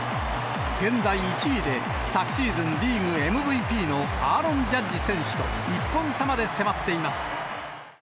現在１位で昨シーズンリーグＭＶＰのアーロン・ジャッジ選手と１本差まで迫っています。